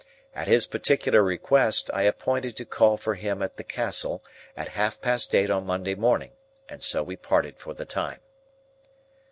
At his particular request, I appointed to call for him at the Castle at half past eight on Monday morning, and so we parted for the time.